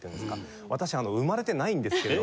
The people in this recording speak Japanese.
私生まれてないんですけれども。